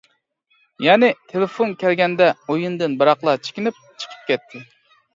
يەنى تېلېفون كەلگەندە ئويۇندىن بىراقلا چېكىنىپ چىقىپ كەتتى.